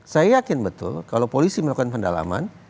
saya yakin betul kalau polisi melakukan pendalaman